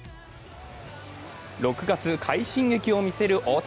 ６月快進撃を見せる大谷。